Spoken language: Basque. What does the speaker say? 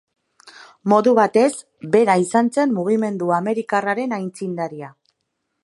Modu batez bera izan zen mugimendu amerikarraren aitzindaria.